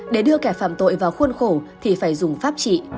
để đưa kẻ phạm tội vào khuôn khổ thì phải dùng pháp trị